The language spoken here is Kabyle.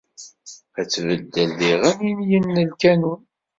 Ad tbeddel diɣen inyen n lkanun.